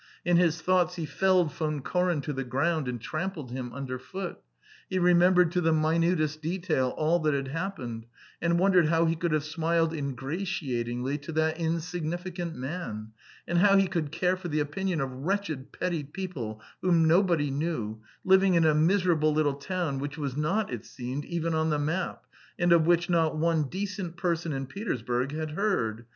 In his thoughts he felled Von Koren to the ground, and trampled him underfoot. He remembered to the minutest detail all that had happened, and wondered how he could have smiled ingratiatingly to that insignificant man, and how he could care for the opinion of wretched petty people whom nobody knew, living in a miserable little town which was not, it seemed, even on the map, and of which not one decent person in Petersburg had heard.